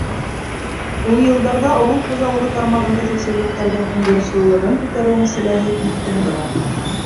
Ул йылдарҙа ауыл хужалығы тармағында сәсеүлектәрҙең уңдырышлылығын күтәреү мәсьәләһе киҫкен тора.